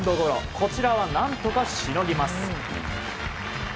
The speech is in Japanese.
こちらは何とかしのぎます。